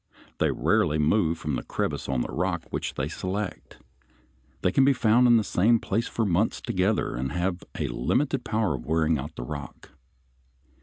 They rarely move from the crevice on the rock which they select. They can be found in the same place for months together, and have a limited power of wearing out the rock.